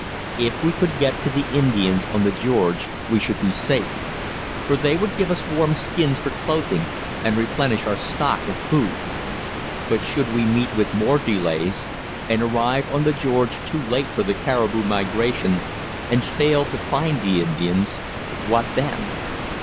If we could get to the Indians on the George, we should be safe; for they would give us warm skins for clothing and replenish our stock of food. But should we meet with more delays, and arrive on the George too late for the caribou migration, and fail to find the Indians, what then?